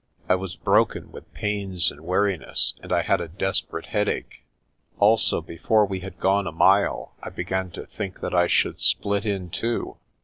I was broken with pains and weariness, and I had a desperate headache. Also, before we had gone a mile, I began to think that I should split in two.